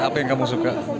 apa yang kamu suka